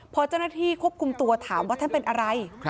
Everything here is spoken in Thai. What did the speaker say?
พอเจ้าหน้าที่ควบคุมตัวถามว่าท่านเป็นอะไร